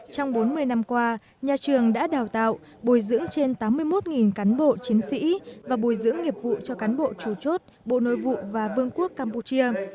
trong bốn mươi năm qua nhà trường đã đào tạo bồi dưỡng trên tám mươi một cán bộ chiến sĩ và bồi dưỡng nghiệp vụ cho cán bộ chủ chốt bộ nội vụ và vương quốc campuchia